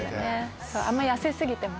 あんま痩せ過ぎてもね。